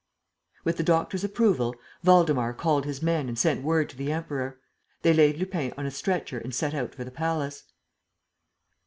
With the doctor's approval, Waldemar called his men and sent word to the Emperor. They laid Lupin on a stretcher and set out for the palace.